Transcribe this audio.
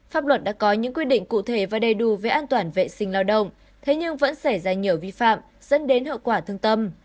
pháp luật đã có những quy định cụ thể và đầy đủ về an toàn vệ sinh lao động thế nhưng vẫn xảy ra nhiều vi phạm dẫn đến hậu quả thương tâm